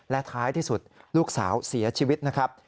และท้ายที่สุดลูกสาวเสียชีวิตนะครับ